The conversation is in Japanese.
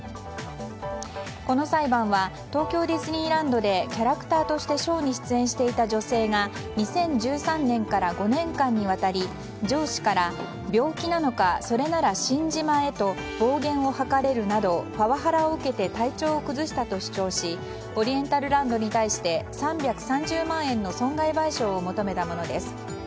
この裁判は東京ディズニーランドでキャラクターとしてショーに出演していた女性が２０１３年から５年間にわたり上司から、病気なのかそれなら死んじまえと暴言を吐かれるなどパワハラを受けて体調を崩したと主張しオリエンタルランドに対して３３０万円の損害賠償を求めたものです。